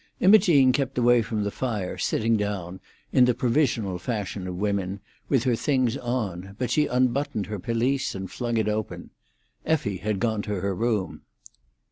Imogene kept away from the fire, sitting down, in the provisional fashion of women, with her things on; but she unbuttoned her pelisse and flung it open. Effie had gone to her room.